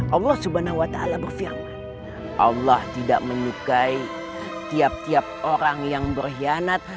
allah swt berfirman allah tidak menyukai tiap tiap orang yang berkhianat